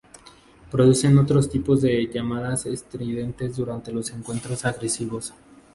Producen otros tipos de llamadas estridentes durante los encuentros agresivos.